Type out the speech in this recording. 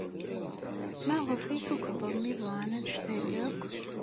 Maɣef ay tukḍem iḍan anect-a akk?